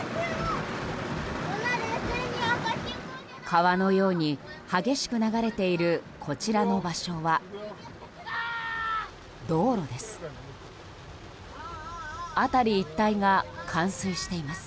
川のように激しく流れているこちらの場所は道路です。